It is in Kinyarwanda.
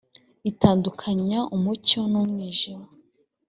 itandukanya umucyo n’umwijima